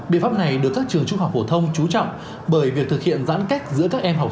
biện pháp này được các trường trung học phổ thông chú trọng bởi việc thực hiện giãn cách giữa các trường trung học phổ thông